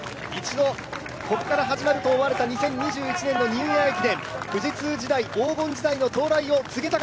一度、ここから始まると思われた２０２１年のニューイヤー駅伝